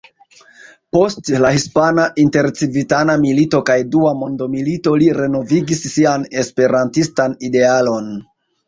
Post la hispana intercivitana milito kaj dua mondmilito li renovigis sian esperantistan idealon.